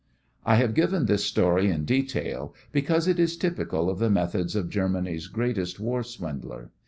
I have given this story in detail because it is typical of the methods of Germany's greatest war swindler.